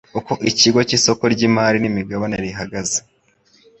uko ikigo cy isoko ry imari n imigabane rihagaze